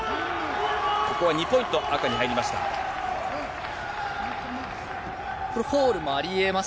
ここは２ポイント、赤に入りまし